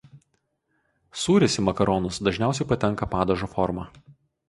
Sūris į makaronus dažniausiai patenka padažo forma.